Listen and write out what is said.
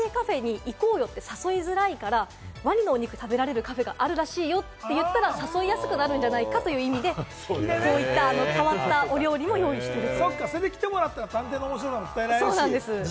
探偵カフェに行こうよと誘いづらいから、ワニのお肉を食べられるカフェがあるらしいよと言ったら誘いやすくなるんじゃないかという意味でこういった変わったお料理を用意していると。